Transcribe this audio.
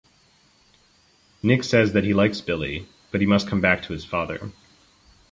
Nick says that he likes Billy, but he must come back to his father.